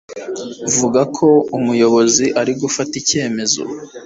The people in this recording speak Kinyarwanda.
Bavuga ko Umuyobozi ari gufata icyemezo.